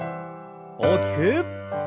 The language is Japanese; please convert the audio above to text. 大きく。